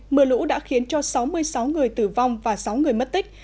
mưa lũ đã khiến cho sáu mươi sáu người tử vong và sáu người mất tích